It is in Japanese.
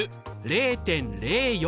０．０４